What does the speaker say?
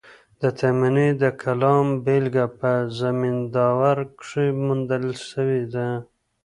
د تایمني د کلام بېلګه په زمینداور کښي موندل سوې ده.